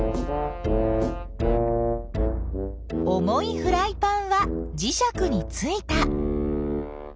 重いフライパンはじしゃくについた。